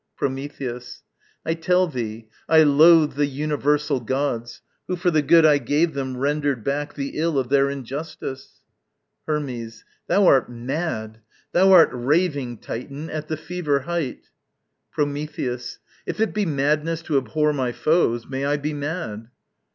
Prometheus. I tell thee I loathe the universal gods, Who for the good I gave them rendered back The ill of their injustice. Hermes. Thou art mad Thou art raving, Titan, at the fever height. Prometheus. If it be madness to abhor my foes, May I be mad!